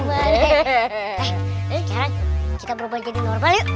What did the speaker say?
sekarang kita berubah jadi normal yuk